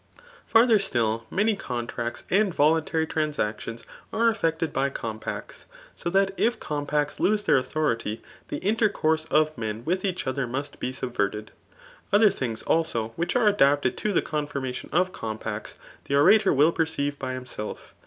Farther atiU, many contracts and voluntary transactions are effected by compacts ; so that if compacts lose their authority, the intercourse of men with each other must be subverted* Other things, also, which are adapted to the confirmation c{ compacts, the orator will perceive by himself.